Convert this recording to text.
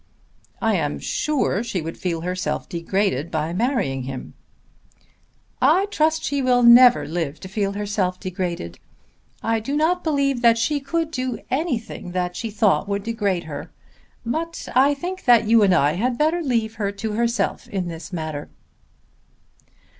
"I am sure she would feel herself degraded by marrying him." "I trust she will never live to feel herself degraded. I do not believe that she could do anything that she thought would degrade her. But I think that you and I had better leave her to herself in this matter."